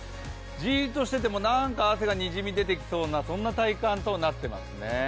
じーっとしてても何か汗がにじみ出てきそうなそんな体感となっていますね。